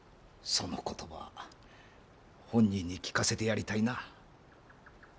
その言葉本人に聞かせてやりたいな。